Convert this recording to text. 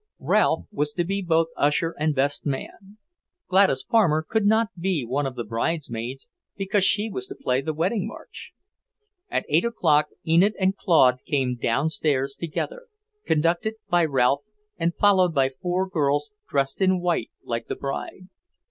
Ralph was to be both usher and best man. Gladys Farmer could not be one of the bridesmaids because she was to play the wedding march. At eight o'clock Enid and Claude came downstairs together, conducted by Ralph and followed by four girls dressed in white, like the bride.